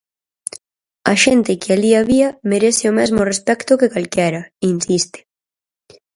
"A xente que alí había merece o mesmo respecto que calquera", insiste.